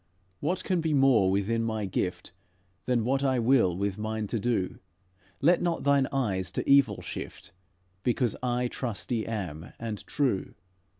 "'What can be more within my gift Than what I will with mine to do? Let not thine eyes to evil shift, Because I trusty am, and true.'